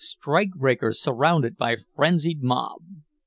STRIKEBREAKERS SURROUNDED BY FRENZIED MOB!